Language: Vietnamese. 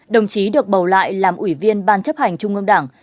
đồng chí được bầu lại làm ủy viên ban chấp hành trung ương đảng